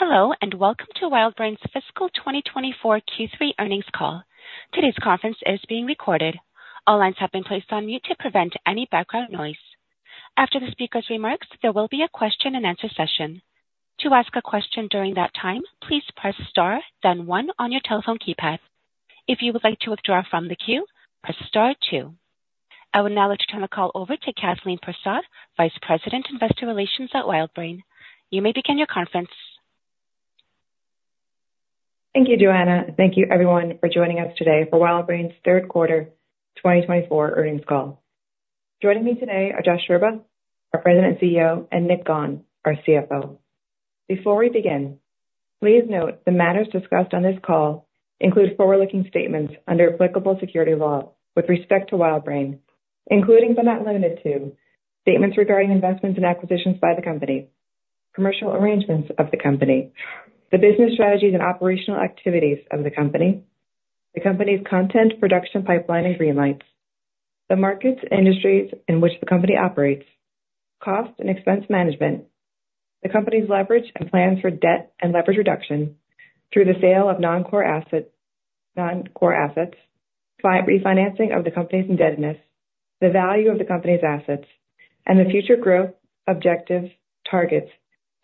Hello and welcome to WildBrain's Fiscal 2024 Q3 earnings call. Today's conference is being recorded. All lines have been placed on mute to prevent any background noise. After the speaker's remarks, there will be a question-and-answer session. To ask a question during that time, please press star, then 1 on your telephone keypad. If you would like to withdraw from the queue, press star two. I will now like to turn the call over to Kathleen Persaud, Vice President Investor Relations at WildBrain. You may begin your conference. Thank you, Joanna. Thank you, everyone, for joining us today for WildBrain's third quarter 2024 earnings call. Joining me today are Josh Scherba, our President and CEO, and Nick Gawne, our CFO. Before we begin, please note the matters discussed on this call include forward-looking statements under applicable securities law with respect to WildBrain, including but not limited to statements regarding investments and acquisitions by the company, commercial arrangements of the company, the business strategies and operational activities of the company, the company's content production pipeline and greenlights, the markets and industries in which the company operates, cost and expense management, the company's leverage and plans for debt and leverage reduction through the sale of non-core assets, refinancing of the company's indebtedness, the value of the company's assets, and the future growth objectives, targets,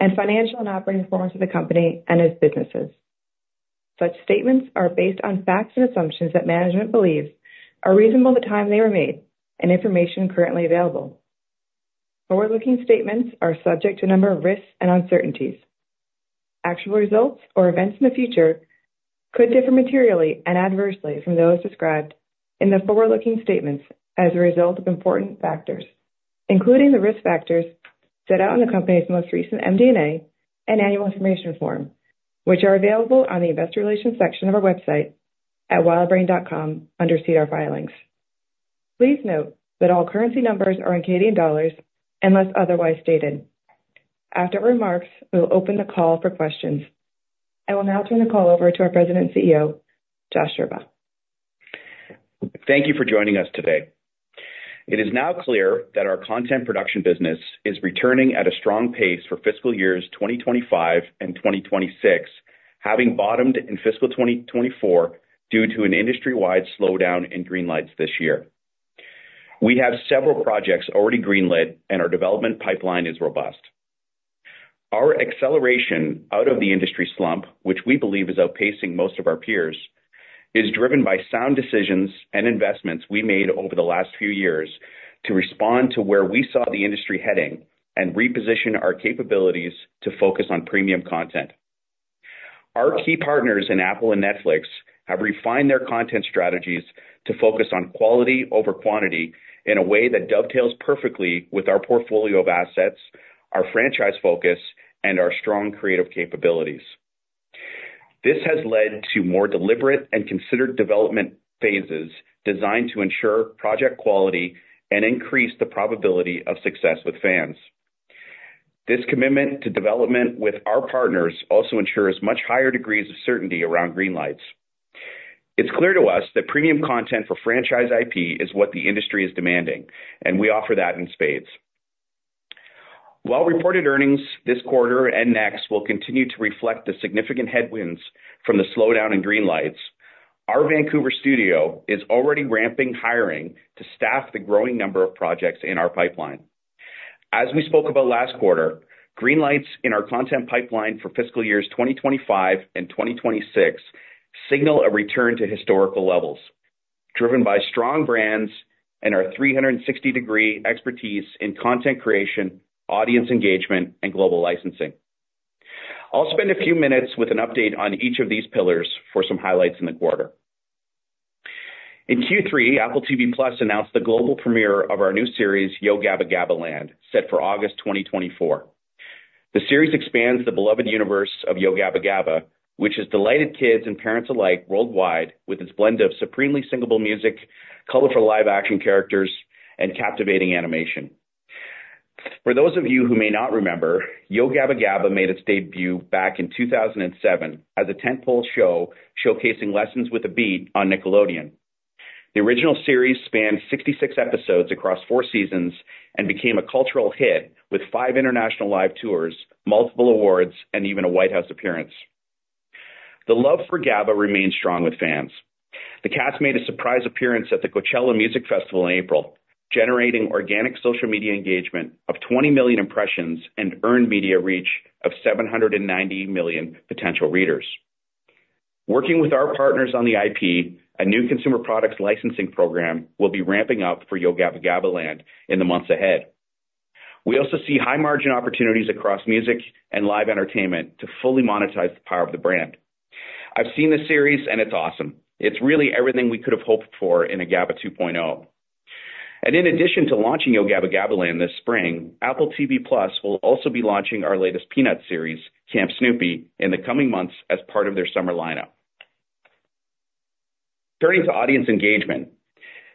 and financial and operating performance of the company and its businesses. Such statements are based on facts and assumptions that management believes are reasonable at the time they were made and information currently available. Forward-looking statements are subject to a number of risks and uncertainties. Actual results or events in the future could differ materially and adversely from those described in the forward-looking statements as a result of important factors, including the risk factors set out in the company's most recent MD&A and annual information form, which are available on the investor relations section of our website at WildBrain.com under SEDAR filings. Please note that all currency numbers are in Canadian dollars unless otherwise stated. After our remarks, we will open the call for questions. I will now turn the call over to our President and CEO, Josh Scherba. Thank you for joining us today. It is now clear that our content production business is returning at a strong pace for fiscal years 2025 and 2026, having bottomed in fiscal 2024 due to an industry-wide slowdown in greenlights this year. We have several projects already greenlit, and our development pipeline is robust. Our acceleration out of the industry slump, which we believe is outpacing most of our peers, is driven by sound decisions and investments we made over the last few years to respond to where we saw the industry heading and reposition our capabilities to focus on premium content. Our key partners in Apple and Netflix have refined their content strategies to focus on quality over quantity in a way that dovetails perfectly with our portfolio of assets, our franchise focus, and our strong creative capabilities. This has led to more deliberate and considered development phases designed to ensure project quality and increase the probability of success with fans. This commitment to development with our partners also ensures much higher degrees of certainty around greenlights. It's clear to us that premium content for franchise IP is what the industry is demanding, and we offer that in spades. While reported earnings this quarter and next will continue to reflect the significant headwinds from the slowdown in greenlights, our Vancouver studio is already ramping hiring to staff the growing number of projects in our pipeline. As we spoke about last quarter, greenlights in our content pipeline for fiscal years 2025 and 2026 signal a return to historical levels driven by strong brands and our 360-degree expertise in content creation, audience engagement, and global licensing. I'll spend a few minutes with an update on each of these pillars for some highlights in the quarter. In Q3, Apple TV+ announced the global premiere of our new series, "Yo Gabba GabbaLand!," set for August 2024. The series expands the beloved universe of "Yo Gabba Gabba!," which has delighted kids and parents alike worldwide with its blend of supremely singable music, colorful live-action characters, and captivating animation. For those of you who may not remember, "Yo Gabba Gabba!" made its debut back in 2007 as a tentpole show showcasing lessons with a beat on Nickelodeon. The original series spanned 66 episodes across four seasons and became a cultural hit with five international live tours, multiple awards, and even a White House appearance. The love for Gabba remains strong with fans. The cast made a surprise appearance at the Coachella Music Festival in April, generating organic social media engagement of 20 million impressions and earned media reach of 790 million potential readers. Working with our partners on the IP, a new consumer products licensing program will be ramping up for "Yo Gabba GabbaLand!" in the months ahead. We also see high-margin opportunities across music and live entertainment to fully monetize the power of the brand. I've seen the series, and it's awesome. It's really everything we could have hoped for in a Gabba 2.0. And in addition to launching "Yo Gabba GabbaLand!" this spring, Apple TV+ will also be launching our latest Peanuts series, "Camp Snoopy," in the coming months as part of their summer lineup. Turning to audience engagement,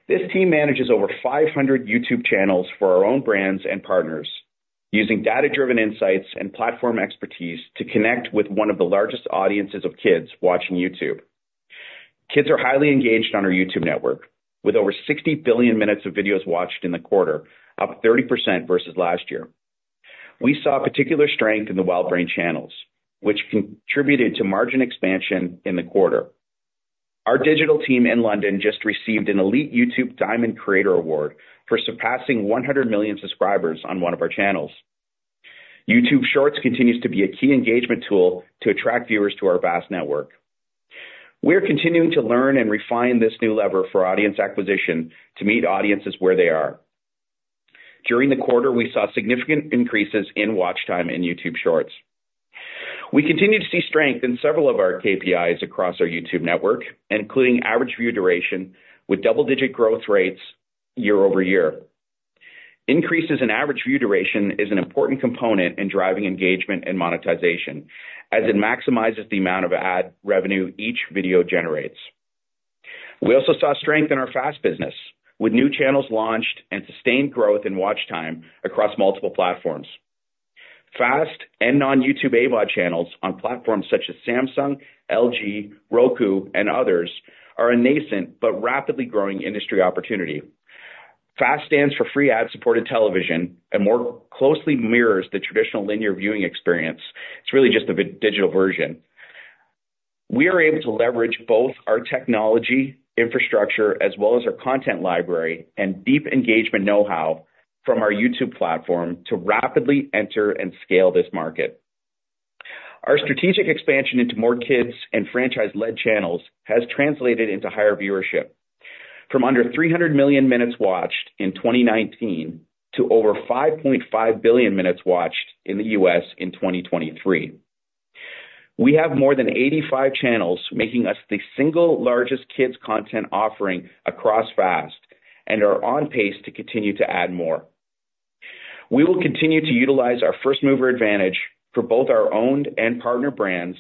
this team manages over 500 YouTube channels for our own brands and partners, using data-driven insights and platform expertise to connect with one of the largest audiences of kids watching YouTube. Kids are highly engaged on our YouTube network, with over 60 billion minutes of videos watched in the quarter, up 30% versus last year. We saw particular strength in the WildBrain channels, which contributed to margin expansion in the quarter. Our digital team in London just received an elite YouTube Diamond Creator Award for surpassing 100 million subscribers on one of our channels. YouTube Shorts continues to be a key engagement tool to attract viewers to our vast network. We are continuing to learn and refine this new lever for audience acquisition to meet audiences where they are. During the quarter, we saw significant increases in watch time in YouTube Shorts. We continue to see strength in several of our KPIs across our YouTube network, including average view duration with double-digit growth rates year-over-year. Increases in average view duration are an important component in driving engagement and monetization, as it maximizes the amount of ad revenue each video generates. We also saw strength in our FAST business, with new channels launched and sustained growth in watch time across multiple platforms. FAST and non-YouTube AVOD channels on platforms such as Samsung, LG, Roku, and others are a nascent but rapidly growing industry opportunity. FAST stands for free ad-supported television and more closely mirrors the traditional linear viewing experience. It's really just a digital version. We are able to leverage both our technology infrastructure as well as our content library and deep engagement know-how from our YouTube platform to rapidly enter and scale this market. Our strategic expansion into more kids and franchise-led channels has translated into higher viewership, from under 300 million minutes watched in 2019 to over 5.5 billion minutes watched in the U.S. in 2023. We have more than 85 channels, making us the single largest kids' content offering across FAST, and are on pace to continue to add more. We will continue to utilize our first-mover advantage for both our owned and partner brands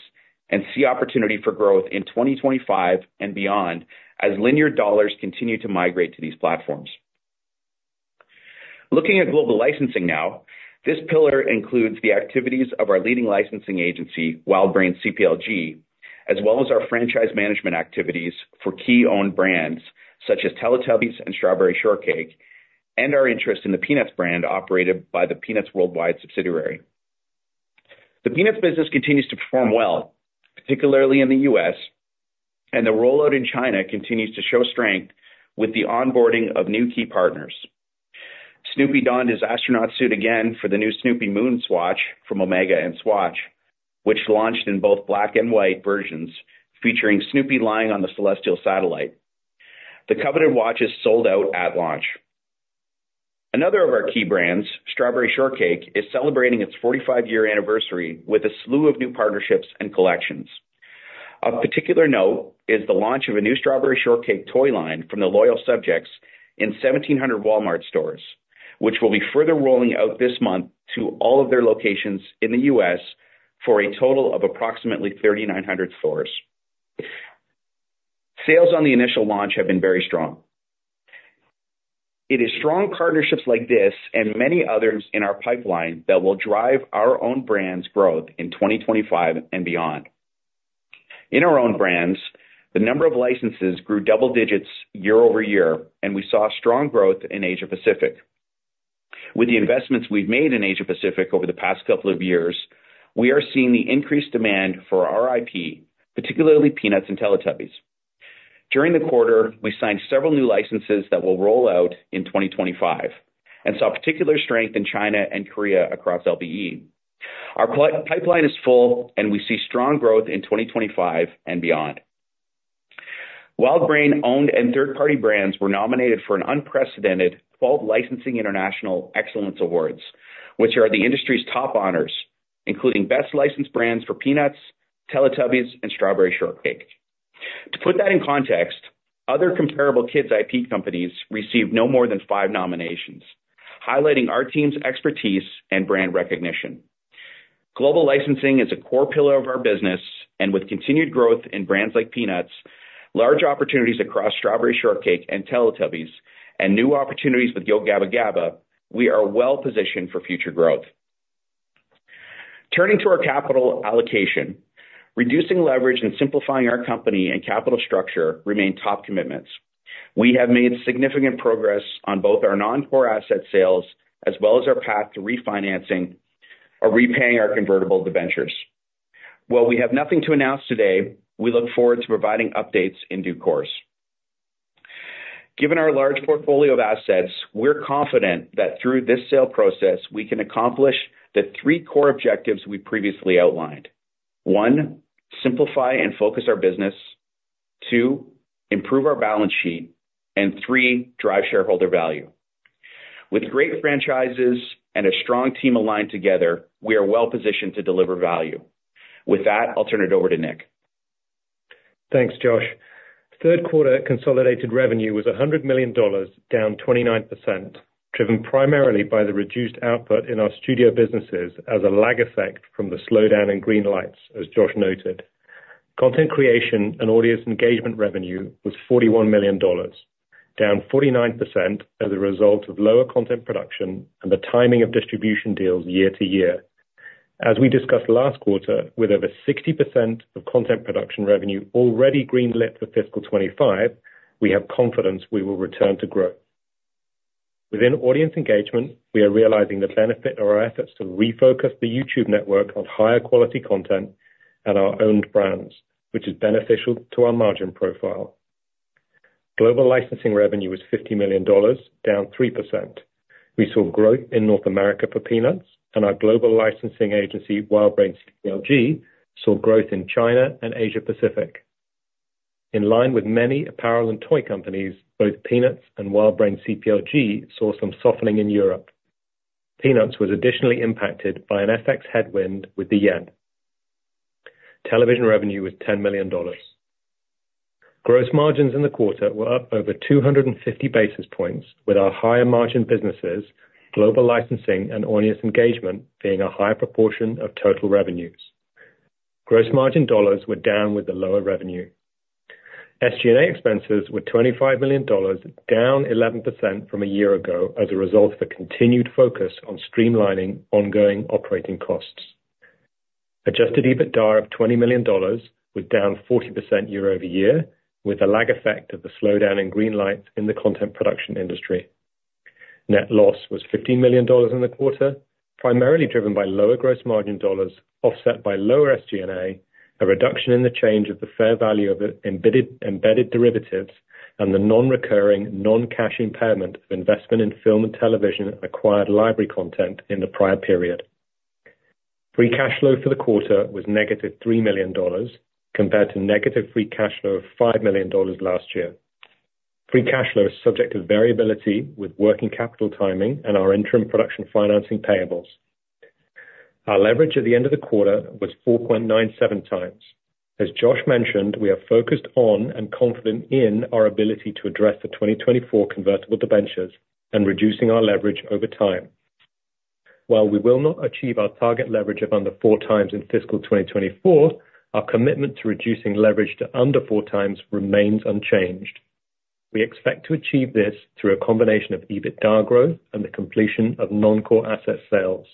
and see opportunity for growth in 2025 and beyond as linear dollars continue to migrate to these platforms. Looking at global licensing now, this pillar includes the activities of our leading licensing agency, WildBrain CPLG, as well as our franchise management activities for key owned brands such as Teletubbies and Strawberry Shortcake and our interest in the Peanuts brand operated by the Peanuts Worldwide subsidiary. The Peanuts business continues to perform well, particularly in the U.S., and the rollout in China continues to show strength with the onboarding of new key partners. Snoopy donned his astronaut suit again for the new Snoopy MoonSwatch from Omega and Swatch, which launched in both black and white versions featuring Snoopy lying on the celestial satellite. The coveted watch is sold out at launch. Another of our key brands, Strawberry Shortcake, is celebrating its 45-year anniversary with a slew of new partnerships and collections. Of particular note is the launch of a new Strawberry Shortcake toy line from The Loyal Subjects in 1,700 Walmart stores, which will be further rolling out this month to all of their locations in the U.S. for a total of approximately 3,900 stores. Sales on the initial launch have been very strong. It is strong partnerships like this and many others in our pipeline that will drive our own brands' growth in 2025 and beyond. In our own brands, the number of licenses grew double digits year-over-year, and we saw strong growth in Asia Pacific. With the investments we've made in Asia Pacific over the past couple of years, we are seeing the increased demand for our IP, particularly Peanuts and Teletubbies. During the quarter, we signed several new licenses that will roll out in 2025 and saw particular strength in China and Korea across LBE. Our pipeline is full, and we see strong growth in 2025 and beyond. WildBrain owned and third-party brands were nominated for an unprecedented 12 Licensing International Excellence Awards, which are the industry's top honors, including Best Licensed Brands for Peanuts, Teletubbies, and Strawberry Shortcake. To put that in context, other comparable kids' IP companies received no more than five nominations, highlighting our team's expertise and brand recognition. Global licensing is a core pillar of our business, and with continued growth in brands like Peanuts, large opportunities across Strawberry Shortcake and Teletubbies, and new opportunities with Yo Gabba Gabba!, we are well positioned for future growth. Turning to our capital allocation, reducing leverage and simplifying our company and capital structure remain top commitments. We have made significant progress on both our non-core asset sales as well as our path to refinancing or repaying our convertible debentures. While we have nothing to announce today, we look forward to providing updates in due course. Given our large portfolio of assets, we're confident that through this sale process, we can accomplish the three core objectives we previously outlined: one, simplify and focus our business, two, improve our balance sheet, and three, drive shareholder value. With great franchises and a strong team aligned together, we are well positioned to deliver value. With that, I'll turn it over to Nick. Thanks, Josh. Third quarter consolidated revenue was 100 million dollars, down 29%, driven primarily by the reduced output in our studio businesses as a lag effect from the slowdown in greenlights, as Josh noted. Content creation and audience engagement revenue was 41 million dollars, down 49% as a result of lower content production and the timing of distribution deals year-over-year. As we discussed last quarter, with over 60% of content production revenue already greenlit for fiscal 2025, we have confidence we will return to growth. Within audience engagement, we are realizing the benefit of our efforts to refocus the YouTube network on higher-quality content and our owned brands, which is beneficial to our margin profile. Global licensing revenue was 50 million dollars, down 3%. We saw growth in North America for Peanuts, and our global licensing agency, WildBrain CPLG, saw growth in China and Asia Pacific. In line with many apparel and toy companies, both Peanuts and WildBrain CPLG saw some softening in Europe. Peanuts was additionally impacted by an FX headwind with the yen. Television revenue was 10 million dollars. Gross margins in the quarter were up over 250 basis points, with our higher-margin businesses, global licensing, and audience engagement being a higher proportion of total revenues. Gross margin dollars were down with the lower revenue. SG&A expenses were 25 million dollars, down 11% from a year ago as a result of a continued focus on streamlining ongoing operating costs. Adjusted EBITDA of 20 million dollars was down 40% year-over-year, with a lag effect of the slowdown in greenlights in the content production industry. Net loss was 15 million dollars in the quarter, primarily driven by lower gross margin dollars offset by lower SG&A, a reduction in the change of the fair value of embedded derivatives, and the non-recurring, non-cash impairment of investment in film and television and acquired library content in the prior period. Free cash flow for the quarter was negative 3 million dollars compared to negative free cash flow of 5 million dollars last year. Free cash flow is subject to variability with working capital timing and our interim production financing payables. Our leverage at the end of the quarter was 4.97x. As Josh mentioned, we are focused on and confident in our ability to address the 2024 convertible debentures and reducing our leverage over time. While we will not achieve our target leverage of under 4x in fiscal 2024, our commitment to reducing leverage to under 4x remains unchanged. We expect to achieve this through a combination of EBITDA growth and the completion of non-core asset sales.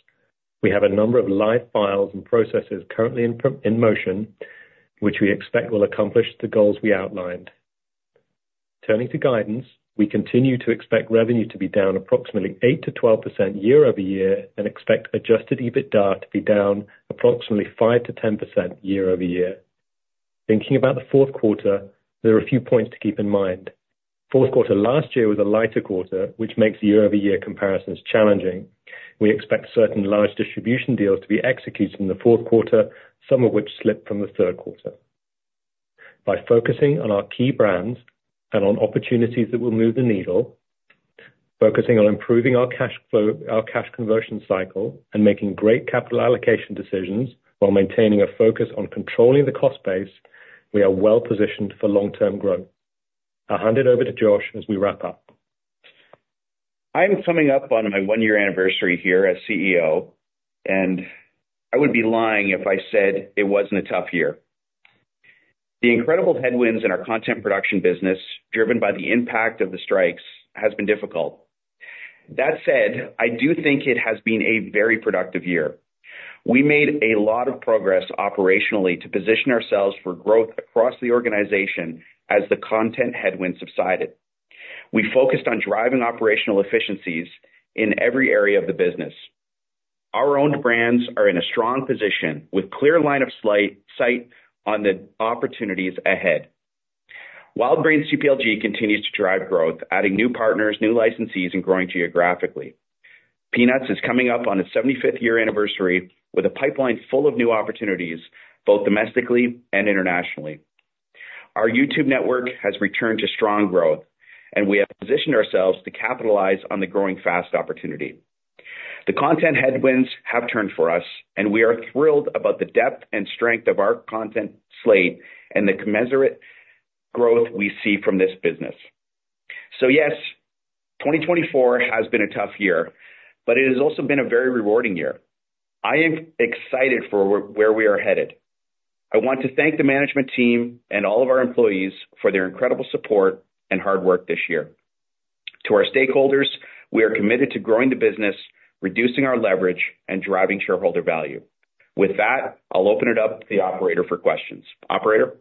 We have a number of live files and processes currently in motion, which we expect will accomplish the goals we outlined. Turning to guidance, we continue to expect revenue to be down approximately 8%-12% year-over-year and expect adjusted EBITDA to be down approximately 5%-10% year-over-year. Thinking about the fourth quarter, there are a few points to keep in mind. Fourth quarter last year was a lighter quarter, which makes year-over-year comparisons challenging. We expect certain large distribution deals to be executed in the fourth quarter, some of which slipped from the third quarter. By focusing on our key brands and on opportunities that will move the needle, focusing on improving our cash conversion cycle and making great capital allocation decisions while maintaining a focus on controlling the cost base, we are well positioned for long-term growth. I'll hand it over to Josh as we wrap up. I am coming up on my one-year anniversary here as CEO, and I would be lying if I said it wasn't a tough year. The incredible headwinds in our content production business, driven by the impact of the strikes, have been difficult. That said, I do think it has been a very productive year. We made a lot of progress operationally to position ourselves for growth across the organization as the content headwinds subsided. We focused on driving operational efficiencies in every area of the business. Our owned brands are in a strong position with a clear line of sight on the opportunities ahead. WildBrain CPLG continues to drive growth, adding new partners, new licensees, and growing geographically. Peanuts is coming up on its 75th-year anniversary with a pipeline full of new opportunities both domestically and internationally. Our YouTube network has returned to strong growth, and we have positioned ourselves to capitalize on the growing FAST opportunity. The content headwinds have turned for us, and we are thrilled about the depth and strength of our content slate and the commensurate growth we see from this business. So yes, 2024 has been a tough year, but it has also been a very rewarding year. I am excited for where we are headed. I want to thank the management team and all of our employees for their incredible support and hard work this year. To our stakeholders, we are committed to growing the business, reducing our leverage, and driving shareholder value. With that, I'll open it up to the operator for questions. Operator?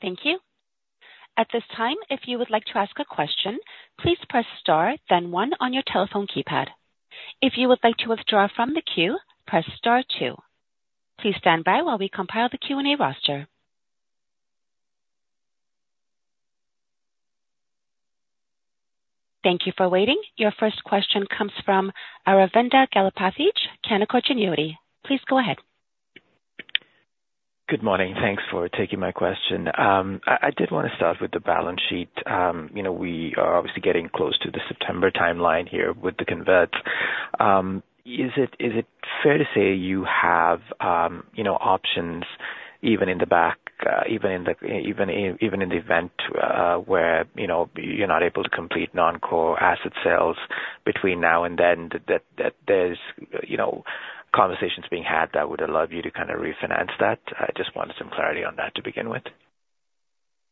Thank you. At this time, if you would like to ask a question, please press star, then 1 on your telephone keypad. If you would like to withdraw from the queue, press star two. Please stand by while we compile the Q&A roster. Thank you for waiting. Your first question comes from Aravinda Galappatthige, Canaccord Genuity. Please go ahead. Good morning. Thanks for taking my question. I did want to start with the balance sheet. We are obviously getting close to the September timeline here with the converts. Is it fair to say you have options even in the event where you're not able to complete non-core asset sales between now and then? That there's conversations being had that would allow you to kind of refinance that. I just wanted some clarity on that to begin with.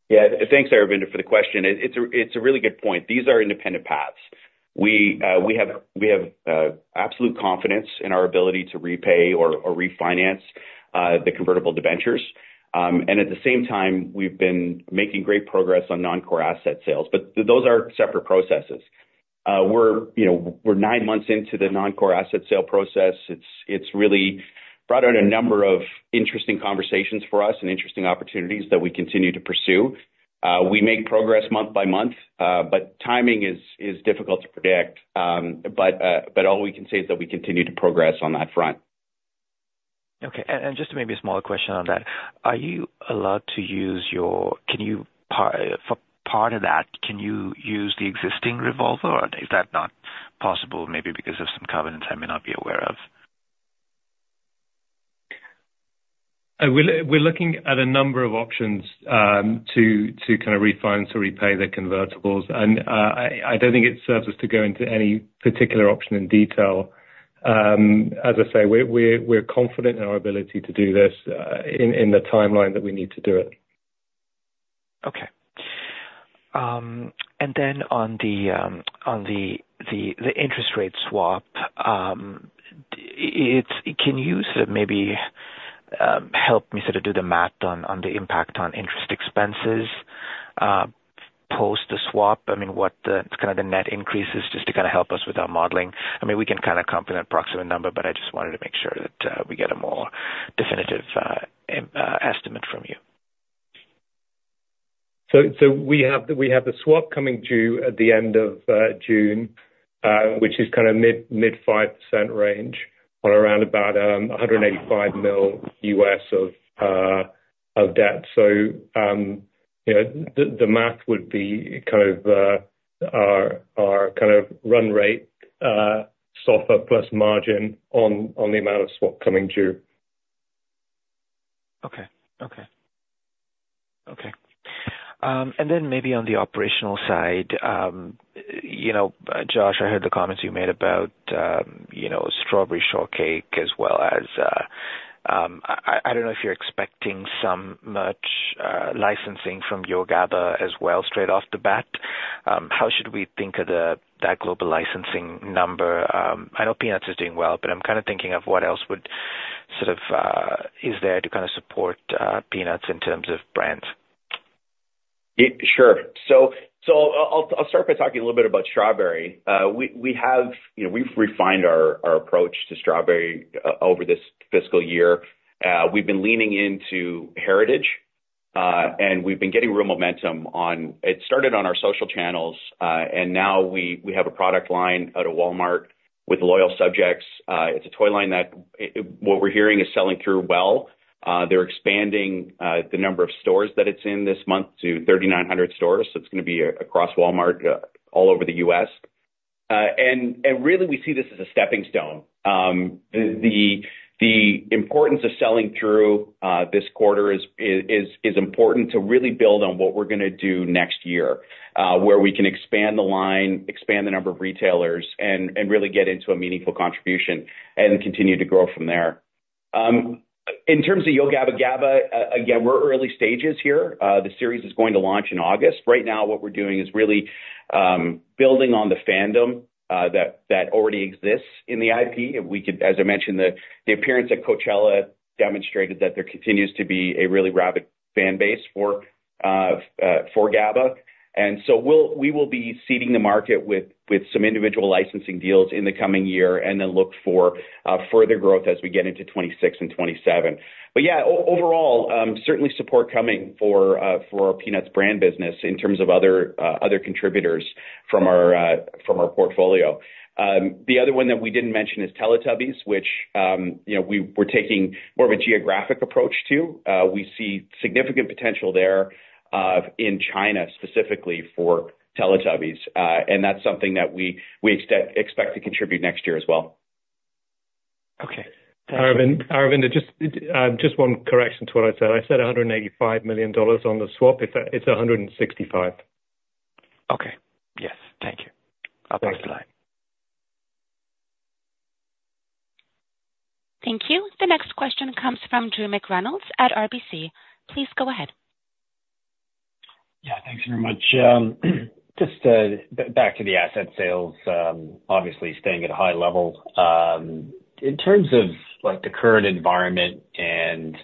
Yeah. Thanks, Aravinda, for the question. It's a really good point. These are independent paths. We have absolute confidence in our ability to repay or refinance the convertible debentures. And at the same time, we've been making great progress on non-core asset sales. But those are separate processes. We're nine months into the non-core asset sale process. It's really brought out a number of interesting conversations for us and interesting opportunities that we continue to pursue. We make progress month by month, but timing is difficult to predict. But all we can say is that we continue to progress on that front. Okay. Just maybe a smaller question on that. Are you allowed to use your for part of that? Can you use the existing revolver, or is that not possible maybe because of some covenants I may not be aware of? We're looking at a number of options to kind of refinance or repay the convertibles. I don't think it serves us to go into any particular option in detail. As I say, we're confident in our ability to do this in the timeline that we need to do it. Okay. And then on the interest rate swap, can you sort of maybe help me sort of do the math on the impact on interest expenses post the swap? I mean, what's kind of the net increases just to kind of help us with our modeling? I mean, we can kind of come to an approximate number, but I just wanted to make sure that we get a more definitive estimate from you. So we have the swap coming due at the end of June, which is kind of mid-5% range on around about $185 million of debt. So the math would be kind of our kind of run rate SOFR plus margin on the amount of swap coming due. Okay. Okay. Okay. Then maybe on the operational side, Josh, I heard the comments you made about Strawberry Shortcake as well as I don't know if you're expecting some merch licensing from Yo Gabba Gabba! as well straight off the bat. How should we think of that global licensing number? I know Peanuts is doing well, but I'm kind of thinking of what else would sort of is there to kind of support Peanuts in terms of brand? Sure. So I'll start by talking a little bit about Strawberry. We've refined our approach to Strawberry over this fiscal year. We've been leaning into heritage, and we've been getting real momentum on it started on our social channels, and now we have a product line out of Walmart with Loyal Subjects. It's a toy line that what we're hearing is selling through well. They're expanding the number of stores that it's in this month to 3,900 stores. So it's going to be across Walmart all over the U.S. And really, we see this as a stepping stone. The importance of selling through this quarter is important to really build on what we're going to do next year where we can expand the line, expand the number of retailers, and really get into a meaningful contribution and continue to grow from there. In terms of Yo Gabba Gabba!, again, we're early stages here. The series is going to launch in August. Right now, what we're doing is really building on the fandom that already exists in the IP. As I mentioned, the appearance at Coachella demonstrated that there continues to be a really rabid fan base for Gabba. And so we will be seeding the market with some individual licensing deals in the coming year and then look for further growth as we get into 2026 and 2027. But yeah, overall, certainly support coming for our Peanuts brand business in terms of other contributors from our portfolio. The other one that we didn't mention is Teletubbies, which we're taking more of a geographic approach to. We see significant potential there in China specifically for Teletubbies, and that's something that we expect to contribute next year as well. Okay. Aravinda, just one correction to what I said. I said $185 million on the swap. It's $165. Okay. Yes. Thank you. I'll pass the line. Thank you. The next question comes from Drew McReynolds at RBC. Please go ahead. Yeah. Thanks very much. Just back to the asset sales, obviously staying at a high level. In terms of the current environment and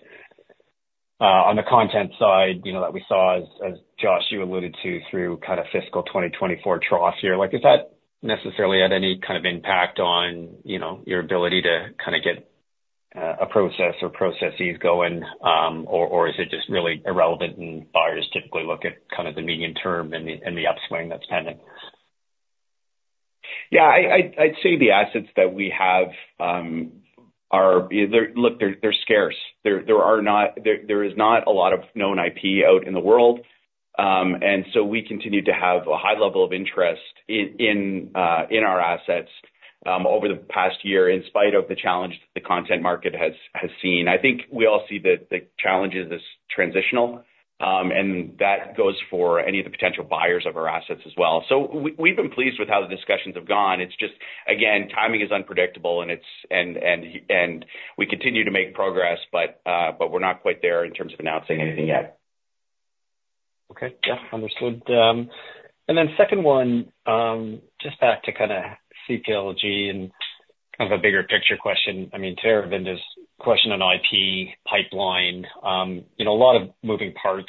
on the content side that we saw, as Josh, you alluded to through kind of fiscal 2024 trough year, is that necessarily had any kind of impact on your ability to kind of get a process or processes going, or is it just really irrelevant and buyers typically look at kind of the medium term and the upswing that's pending? Yeah. I'd say the assets that we have are, look, they're scarce. There is not a lot of known IP out in the world. And so we continue to have a high level of interest in our assets over the past year in spite of the challenges that the content market has seen. I think we all see that the challenges are transitional, and that goes for any of the potential buyers of our assets as well. So we've been pleased with how the discussions have gone. It's just, again, timing is unpredictable, and we continue to make progress, but we're not quite there in terms of announcing anything yet. Okay. Yeah. Understood. And then second one, just back to kind of CPLG and kind of a bigger picture question. I mean, to Aravinda's question on IP pipeline, a lot of moving parts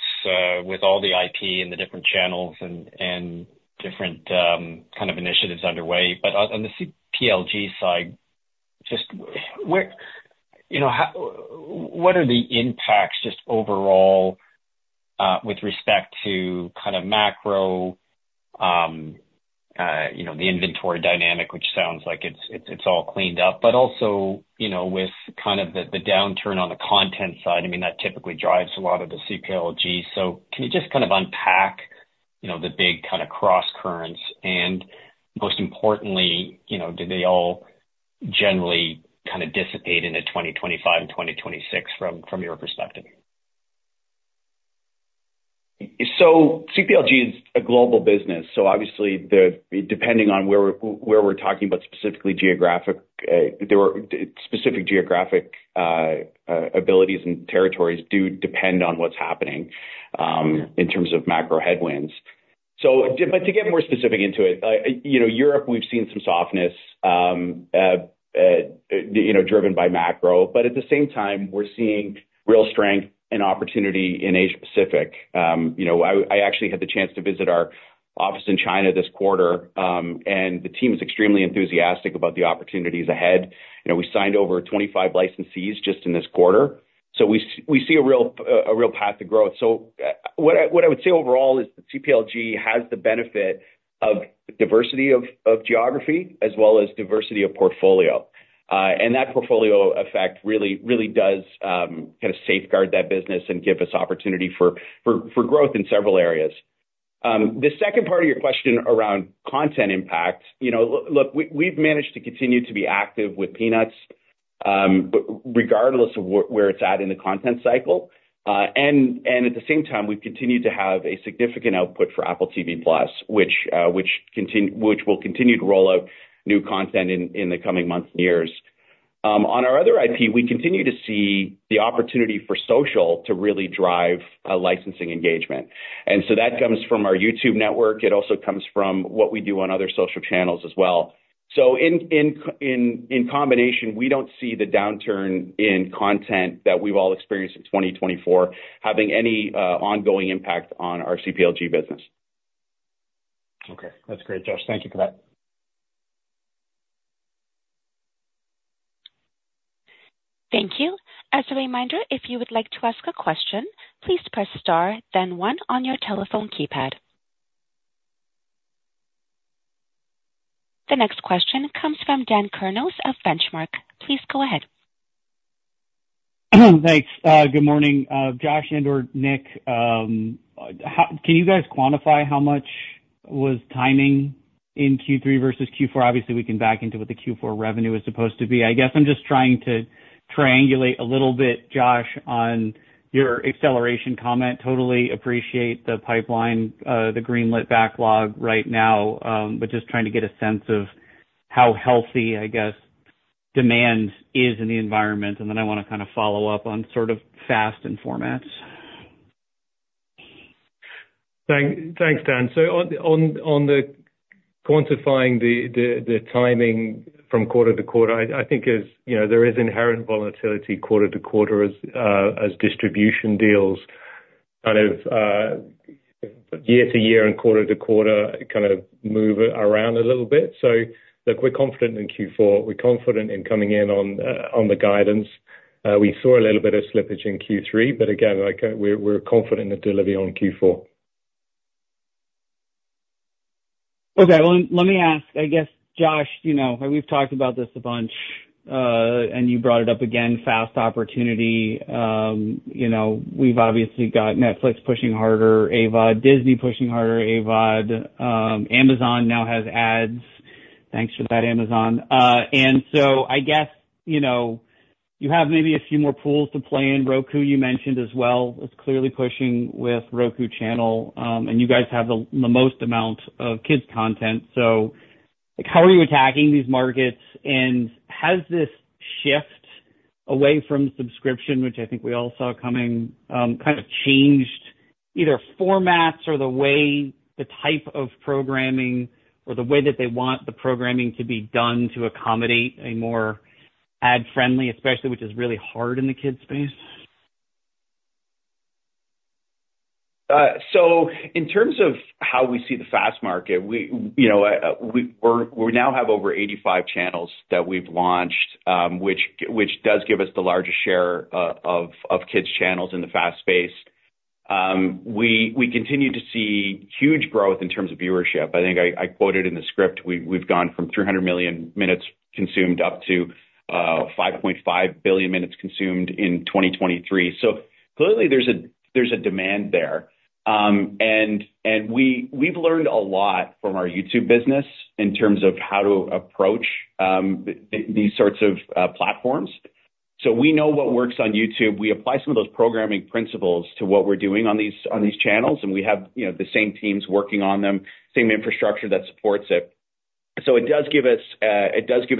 with all the IP and the different channels and different kind of initiatives underway. But on the CPLG side, just what are the impacts just overall with respect to kind of macro, the inventory dynamic, which sounds like it's all cleaned up, but also with kind of the downturn on the content side? I mean, that typically drives a lot of the CPLG. So can you just kind of unpack the big kind of cross-currents? And most importantly, do they all generally kind of dissipate into 2025 and 2026 from your perspective? CPLG is a global business. Obviously, depending on where we're talking about specific geographic abilities and territories do depend on what's happening in terms of macro headwinds. But to get more specific into it, Europe, we've seen some softness driven by macro. But at the same time, we're seeing real strength and opportunity in Asia-Pacific. I actually had the chance to visit our office in China this quarter, and the team is extremely enthusiastic about the opportunities ahead. We signed over 25 licensees just in this quarter. So we see a real path to growth. So what I would say overall is the CPLG has the benefit of diversity of geography as well as diversity of portfolio. And that portfolio effect really does kind of safeguard that business and give us opportunity for growth in several areas. The second part of your question around content impact, look, we've managed to continue to be active with Peanuts regardless of where it's at in the content cycle. At the same time, we've continued to have a significant output for Apple TV+, which will continue to roll out new content in the coming months and years. On our other IP, we continue to see the opportunity for social to really drive licensing engagement. So that comes from our YouTube network. It also comes from what we do on other social channels as well. In combination, we don't see the downturn in content that we've all experienced in 2024 having any ongoing impact on our CPLG business. Okay. That's great, Josh. Thank you for that. Thank you. As a reminder, if you would like to ask a question, please press star, then one on your telephone keypad. The next question comes from Dan Kurnos of Benchmark. Please go ahead. Thanks. Good morning, Josh and/or Nick. Can you guys quantify how much was timing in Q3 versus Q4? Obviously, we can back into what the Q4 revenue is supposed to be. I guess I'm just trying to triangulate a little bit, Josh, on your acceleration comment. Totally appreciate the pipeline, the greenlit backlog right now, but just trying to get a sense of how healthy, I guess, demand is in the environment. And then I want to kind of follow up on sort of FAST and formats. Thanks, Dan. So on quantifying the timing from quarter to quarter, I think there is inherent volatility quarter to quarter as distribution deals kind of year to year and quarter to quarter kind of move around a little bit. So look, we're confident in Q4. We're confident in coming in on the guidance. We saw a little bit of slippage in Q3, but again, we're confident in the delivery on Q4. Okay. Well, let me ask, I guess, Josh, we've talked about this a bunch, and you brought it up again, FAST opportunity. We've obviously got Netflix pushing harder, AVOD, Disney pushing harder, AVOD. Amazon now has ads. Thanks for that, Amazon. And so I guess you have maybe a few more pools to play in. Roku, you mentioned as well, is clearly pushing with Roku Channel. And you guys have the most amount of kids' content. So how are you attacking these markets? And has this shift away from subscription, which I think we all saw coming, kind of changed either formats or the type of programming or the way that they want the programming to be done to accommodate a more ad-friendly, especially, which is really hard in the kids' space? So in terms of how we see the FAST market, we now have over 85 channels that we've launched, which does give us the largest share of kids' channels in the FAST space. We continue to see huge growth in terms of viewership. I think I quoted in the script, we've gone from 300 million minutes consumed up to 5.5 billion minutes consumed in 2023. So clearly, there's a demand there. We've learned a lot from our YouTube business in terms of how to approach these sorts of platforms. So we know what works on YouTube. We apply some of those programming principles to what we're doing on these channels, and we have the same teams working on them, same infrastructure that supports it. So it does give us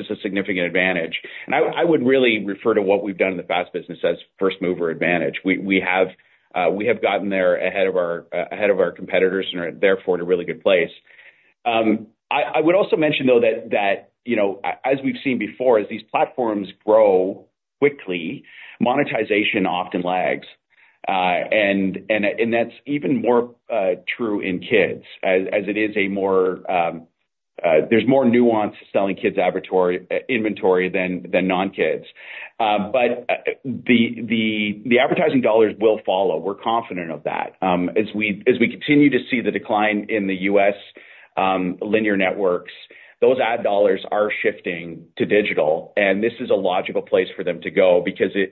a significant advantage. I would really refer to what we've done in the FAST business as first-mover advantage. We have gotten there ahead of our competitors and are therefore in a really good place. I would also mention, though, that as we've seen before, as these platforms grow quickly, monetization often lags. And that's even more true in kids as it is. There's more nuance selling kids' inventory than non-kids. But the advertising dollars will follow. We're confident of that. As we continue to see the decline in the U.S. linear networks, those ad dollars are shifting to digital. And this is a logical place for them to go because it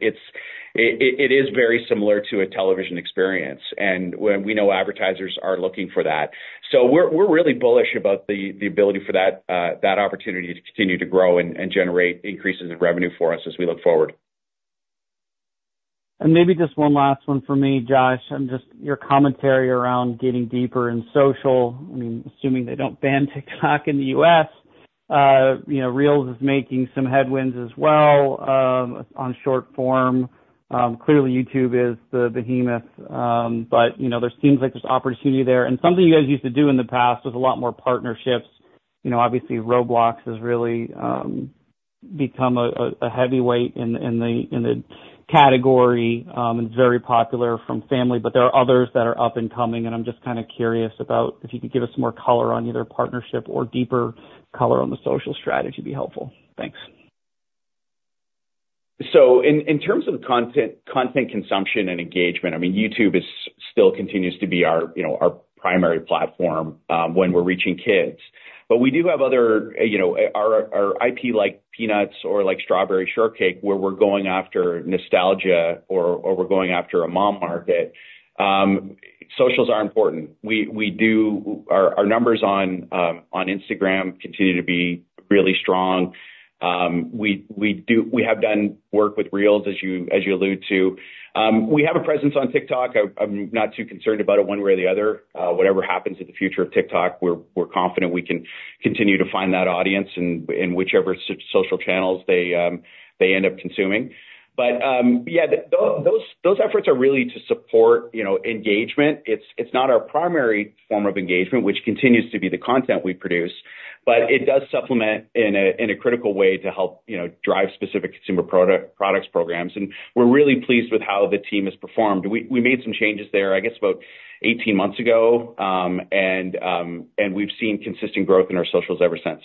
is very similar to a television experience. And we know advertisers are looking for that. We're really bullish about the ability for that opportunity to continue to grow and generate increases in revenue for us as we look forward. And maybe just one last one for me, Josh, your commentary around getting deeper in social. I mean, assuming they don't ban TikTok in the U.S., Reels is making some headway as well on short form. Clearly, YouTube is the behemoth, but there seems like there's opportunity there. And something you guys used to do in the past was a lot more partnerships. Obviously, Roblox has really become a heavyweight in the category, and it's very popular from family. But there are others that are up and coming, and I'm just kind of curious about if you could give us more color on either partnership or deeper color on the social strategy would be helpful. Thanks. So in terms of content consumption and engagement, I mean, YouTube still continues to be our primary platform when we're reaching kids. But we do have other our IP like Peanuts or Strawberry Shortcake where we're going after nostalgia or we're going after a mom market. Socials are important. Our numbers on Instagram continue to be really strong. We have done work with Reels, as you alluded to. We have a presence on TikTok. I'm not too concerned about it one way or the other. Whatever happens in the future of TikTok, we're confident we can continue to find that audience in whichever social channels they end up consuming. But yeah, those efforts are really to support engagement. It's not our primary form of engagement, which continues to be the content we produce, but it does supplement in a critical way to help drive specific consumer products programs. We're really pleased with how the team has performed. We made some changes there, I guess, about 18 months ago, and we've seen consistent growth in our socials ever since.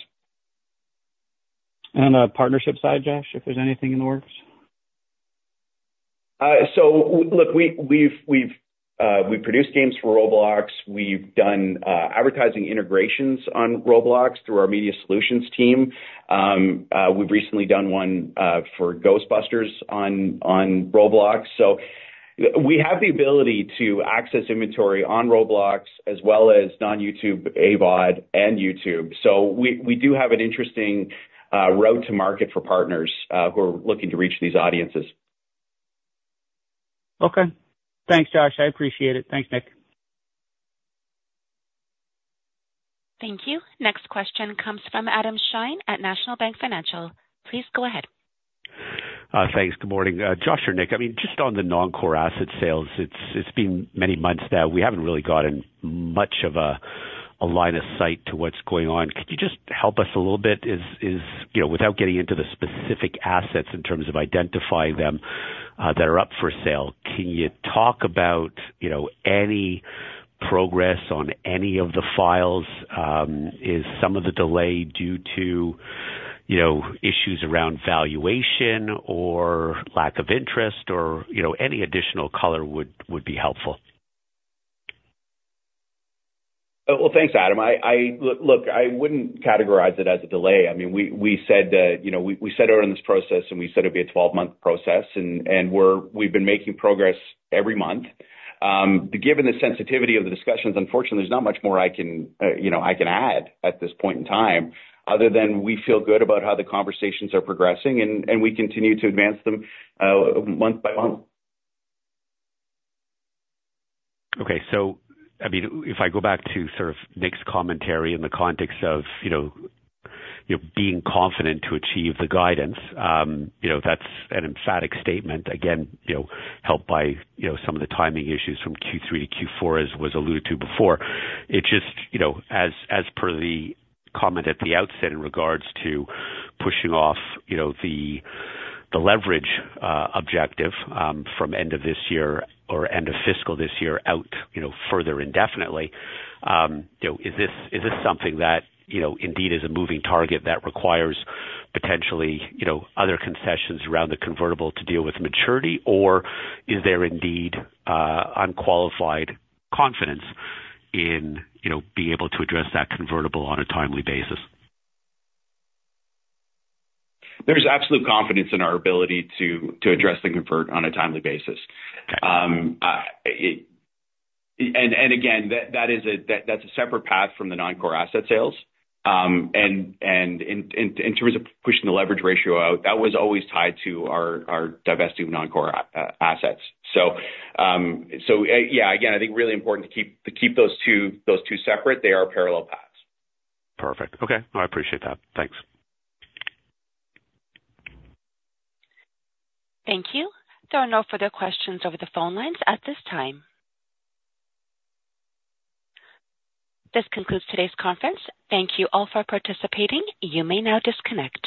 On the partnership side, Josh, if there's anything in the works? So look, we've produced games for Roblox. We've done advertising integrations on Roblox through our media solutions team. We've recently done one for Ghostbusters on Roblox. So we have the ability to access inventory on Roblox as well as non-YouTube, AVOD, and YouTube. So we do have an interesting road to market for partners who are looking to reach these audiences. Okay. Thanks, Josh. I appreciate it. Thanks, Nick. Thank you. Next question comes from Adam Shine at National Bank Financial. Please go ahead. Thanks. Good morning, Josh or Nick. I mean, just on the non-core asset sales, it's been many months now. We haven't really gotten much of a line of sight to what's going on. Could you just help us a little bit without getting into the specific assets in terms of identifying them that are up for sale? Can you talk about any progress on any of the files? Is some of the delay due to issues around valuation or lack of interest, or any additional color would be helpful? Well, thanks, Adam. Look, I wouldn't categorize it as a delay. I mean, we said it was in this process, and we said it would be a 12-month process. We've been making progress every month. Given the sensitivity of the discussions, unfortunately, there's not much more I can add at this point in time other than we feel good about how the conversations are progressing, and we continue to advance them month by month. Okay. So I mean, if I go back to sort of Nick's commentary in the context of being confident to achieve the guidance, that's an emphatic statement. Again, helped by some of the timing issues from Q3 to Q4 as was alluded to before. It's just as per the comment at the outset in regards to pushing off the leverage objective from end of this year or end of fiscal this year out further indefinitely, is this something that indeed is a moving target that requires potentially other concessions around the convertible to deal with maturity, or is there indeed unqualified confidence in being able to address that convertible on a timely basis? There's absolute confidence in our ability to address and convert on a timely basis. Again, that's a separate path from the non-core asset sales. In terms of pushing the leverage ratio out, that was always tied to our divesting of non-core assets. Yeah, again, I think really important to keep those two separate. They are parallel paths. Perfect. Okay. I appreciate that. Thanks. Thank you. There are no further questions over the phone lines at this time. This concludes today's conference. Thank you all for participating. You may now disconnect.